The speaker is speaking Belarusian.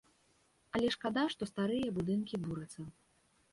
Але шкада, што старыя будынкі бурацца.